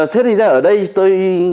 thế thì ra ở đây tôi